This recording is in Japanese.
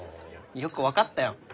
よく分かったよ。